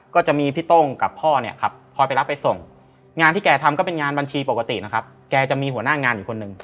ก็จะมีพี่ต้งกับพ่อเนี่ยครับคอยไปรับไปส่งงานที่แกทำก็เป็นงานบัญชีปกตินะครับแกจะมีหัวหน้างานอยู่คนหนึ่ง